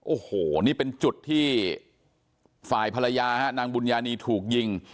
โอ้โหนี่เป็นจุดที่ฝ่ายภรรยาฮะนางบุญญานีถูกยิง